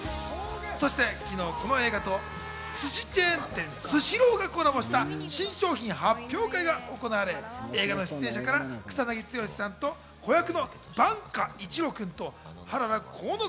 そして昨日、この映画と寿司チェーン店・スシローがコラボした新商品発表会が行われ、映画の出演者から草なぎ剛さんと子役の番家一路君と原田琥之